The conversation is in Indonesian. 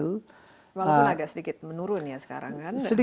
walaupun agak sedikit menurun ya sekarang kan